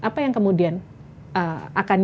apa yang kemudian akan